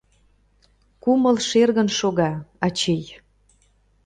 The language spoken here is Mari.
Кумыл шергын шога, ачий!..